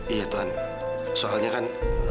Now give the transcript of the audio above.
iya tuhan soalnya kan